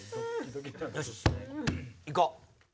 よし！いこう！